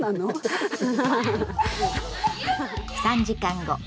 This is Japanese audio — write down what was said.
３時間後。